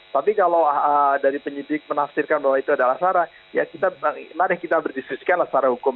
tapi kalau dari penyidik menafsirkan bahwa itu adalah sarah ya mari kita berdiskusikanlah secara hukum